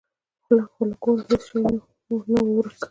خو له کور څخه هیڅ شی نه و ورک.